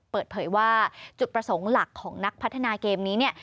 เปิดเผยว่าจุดประสงค์หลักของนักพัฒนาเกมนี้เนี่ย